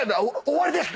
「終わりです」